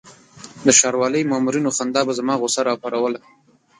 د ښاروالۍ مامورینو خندا به زما غوسه راپاروله.